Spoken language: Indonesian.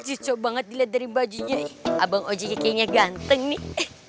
jucok banget dilihat dari bajunya abang ojeknya kayaknya ganteng nih